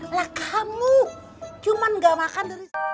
lah kamu cuman ga makan